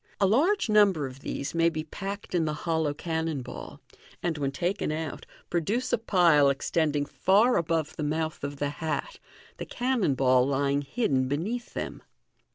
A large number of these may be packed in the hollow cannon ball, and when taken out, produce a pile extending far above the mouth of the hat, the cannon ball lying hidd, n beneath them.